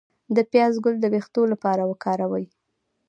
د پیاز ګل د ویښتو لپاره وکاروئ